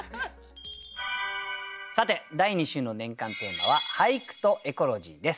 さて第２週の年間テーマは「俳句とエコロジー」です。